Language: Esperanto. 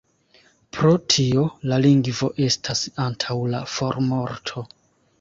Pro tio la lingvo estas antaŭ la formorto.